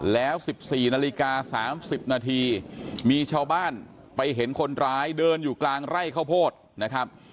แล้ว๑๔นาฬิกา๓๐นาทีมีชาวบ้านไปเห็นคนร้ายเดินอยู่กลางไร่ข้าวโพดนะครับ